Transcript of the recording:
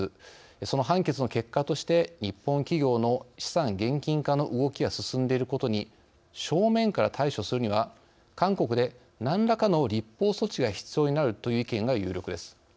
その判決の結果として日本企業の資産現金化の動きが進んでいることに正面から対処するには韓国で何らかの立法措置が必要になるという意見が有力です。